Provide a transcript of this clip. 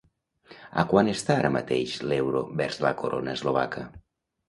A quant està ara mateix l'euro vers la corona eslovaca?